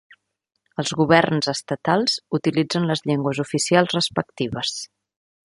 Els governs estatals utilitzen les llengües oficials respectives.